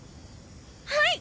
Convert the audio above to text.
はい！